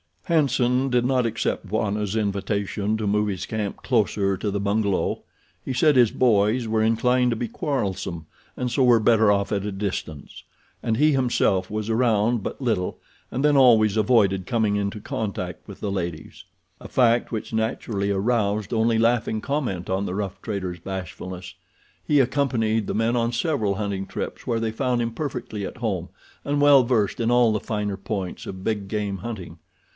Hanson did not accept Bwana's invitation to move his camp closer to the bungalow. He said his boys were inclined to be quarrelsome, and so were better off at a distance; and he, himself, was around but little, and then always avoided coming into contact with the ladies. A fact which naturally aroused only laughing comment on the rough trader's bashfulness. He accompanied the men on several hunting trips where they found him perfectly at home and well versed in all the finer points of big game hunting.